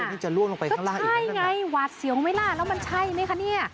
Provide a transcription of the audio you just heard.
อ๋อก็ใช่ไงหวาดเสียงไว้ล่ะแล้วมันใช่ไหมคะเนี่ย